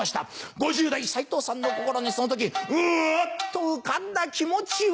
５０代齋藤さんの心にその時うわっと浮かんだ気持ちは！